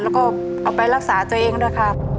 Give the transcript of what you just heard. แล้วก็เอาไปรักษาตัวเองด้วยครับ